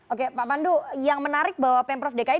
oke pak pandu yang menarik bahwa pemprov dki